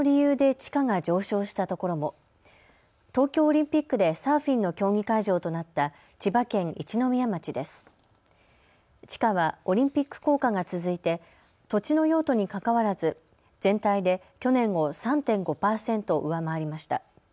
地価はオリンピック効果が続いて土地の用途にかかわらず全体で去年を３．５％上回りました。